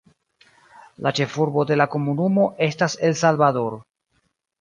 La ĉefurbo de la komunumo estas El Salvador.